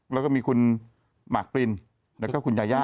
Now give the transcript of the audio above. แล้วก็มีคุณหมากปรินแล้วก็คุณยาย่า